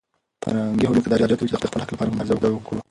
فرهنګي هویت موږ ته دا جرئت راکوي چې د خپل حق لپاره مبارزه وکړو.